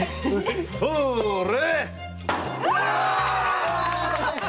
それ！